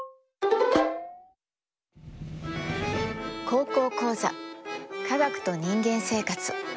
「高校講座科学と人間生活」。